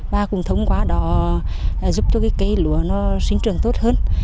và cũng thông qua đó giúp cho cái cây lúa nó sinh trường tốt hơn